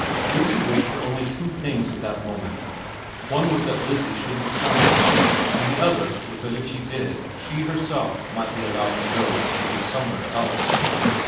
Lucy wished for only two things at that moment, one was that Lizzie shouldn't come, and the other was that if she did she herself might be allowed to go and be somewhere else.